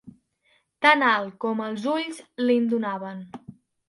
Tan alt com els ulls li'n donaven.